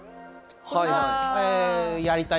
はいはい。